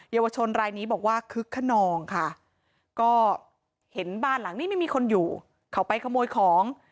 ยาวชนรายนี้บอกว่าคึกขนองค่ะก็เห็นบ้านหลังนี้ไม่มีคนอยู่เขาไปขโมยของ